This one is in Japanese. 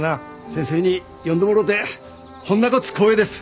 先生に呼んでもろうてほんなごつ光栄です。